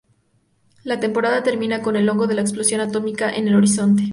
La temporada termina con el hongo de la explosión atómica en el horizonte.